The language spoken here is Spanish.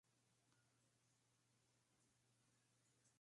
Es internacional con la Selección de fútbol de Paraguay.